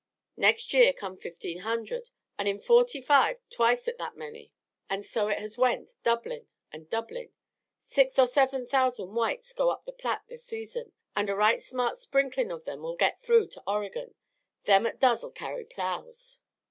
Next year come fifteen hundred, an' in '45 twicet that many, an' so it has went, doublin, an' doublin'. Six or seven thousand whites go up the Platte this season, an' a right smart sprinklin' o' them'll git through to Oregon. Them 'at does'll carry plows.